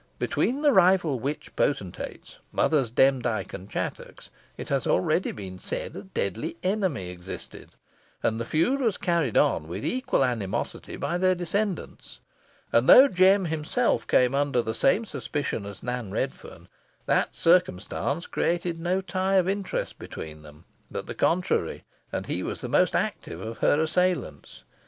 Between the rival witch potentates, Mothers Demdike and Chattox, it has already been said a deadly enmity existed, and the feud was carried on with equal animosity by their descendants; and though Jem himself came under the same suspicion as Nan Redferne, that circumstance created no tie of interest between them, but the contrary, and he was the most active of her assailants.